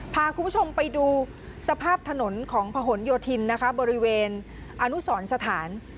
พาคุณผู้ชมไปดูสภาพถนนของผนโยธินนะคะบริเวณอนุสรสถาน